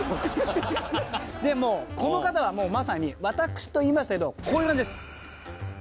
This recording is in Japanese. もうこの方はまさに私と言いましたけどこういう感じです。